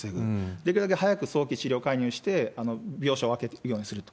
できるだけ早く早期治療介入して病床を空けるようにすると。